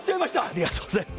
ありがとうございます。